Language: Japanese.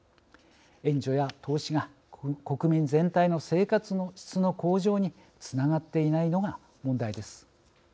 援助や投資が国民全体の生活の質の向上につながっていないのが問題です。